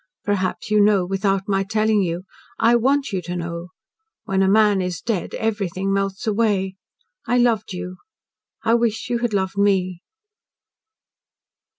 Perhaps you know without my telling you. I want you to know. When a man is dead, everything melts away. I loved you. I wish you had loved me."